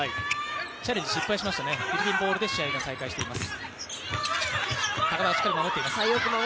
チャレンジ失敗しましたね、フィリピンボールで試合が再開しています。